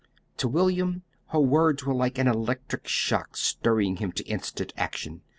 To William her words were like an electric shock stirring him to instant action.